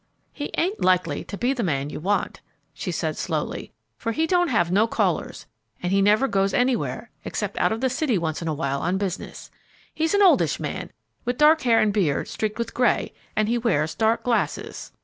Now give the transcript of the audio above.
"He ain't likely to be the man you want," she said, slowly, "for he don't have no callers, and he never goes anywhere, except out of the city once in a while on business. He's an oldish man, with dark hair and beard streaked with gray, and he wears dark glasses."